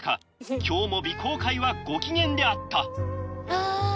今日も鼻甲介はご機嫌であったあ